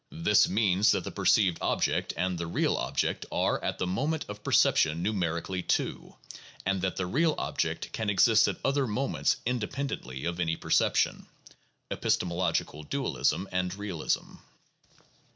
This means that the perceived object and the real object are at the moment of perception numerically two, and that the real object can exist at other moments independently of any perception. (Epistemological Dualism and Realism.)